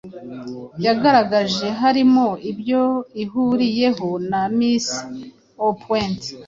yagaragaje harimo ibyo ihuriyeho na "Mise au point".